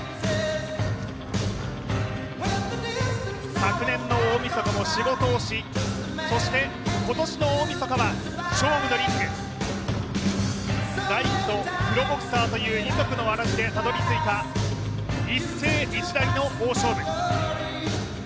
昨年の大みそかも仕事をし、そして今年の大みそかは勝負のリング、大工とプロボクサーという二足のわらじでたどり着いた一世一代の大勝負。